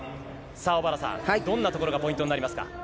さあ、小原さん、どんなところがポイントになりますか。